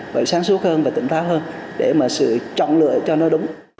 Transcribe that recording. phải sáng suốt hơn và tỉnh táo hơn để mà sự trọng lựa cho nó đúng